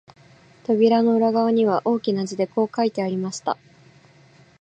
扉の裏側には、大きな字でこう書いてありました